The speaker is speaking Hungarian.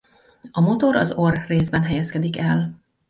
A motor az orr-részben helyezkedik el.